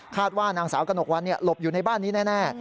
ว่านางสาวกระหนกวันหลบอยู่ในบ้านนี้แน่